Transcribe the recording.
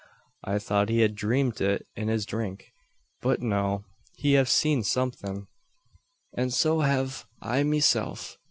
I tho't he hed dreemt o' it in his drink. But no. He hev seed somethin'; and so hev I meself.